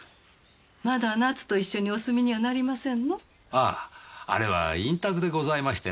あああれは隠宅でございましてな。